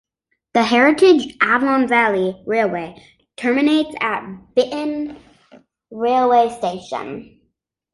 The heritage Avon Valley Railway terminates at Bitton railway station.